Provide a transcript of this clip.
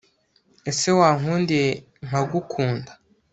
ESE WANKUNDIYE NKAGUKUNDA